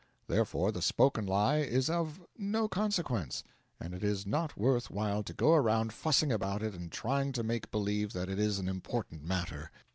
Therefore the spoken lie is of no consequence, and it is not worth while to go around fussing about it and trying to make believe that it is an important matter.